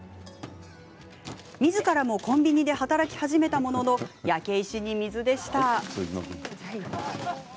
みずからもコンビニで働き始めたものの焼け石に水でした。